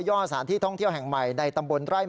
อาจเป็นภาษาที่ท่องเที่ยวแห่งใหม่ในตำบลไร่ใหม่